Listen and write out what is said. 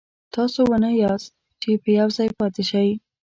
تاسو ونه نه یاست چې په یو ځای پاتې شئ.